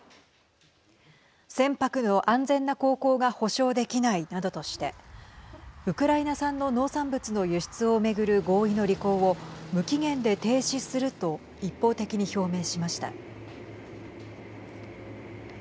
船舶の安全な航行が保証できないなどとしてウクライナ産の農産物の輸出を巡る合意の履行を無期限で停止すると一方的に表明しました。